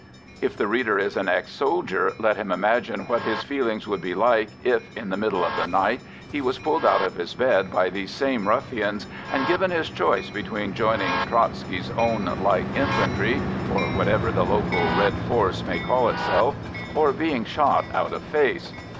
If the reader is an ex soldier, let him imagine what his feelings would be like if in the middle of the night he was pulled out of his bed by these same ruffians, and given his choice between joining Trotsky's Own Light Infantry, or whatever the local Red force may call itself, or being shot out of face.